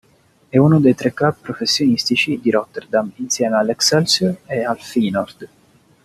È uno dei tre club professionistici di Rotterdam insieme all'Excelsior e al Feyenoord.